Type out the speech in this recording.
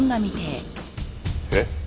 えっ？